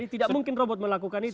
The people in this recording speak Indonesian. tidak mungkin robot melakukan itu